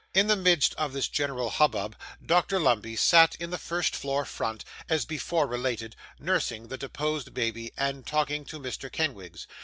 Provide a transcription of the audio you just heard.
In the midst of this general hubbub, Dr Lumbey sat in the first floor front, as before related, nursing the deposed baby, and talking to Mr Kenwigs.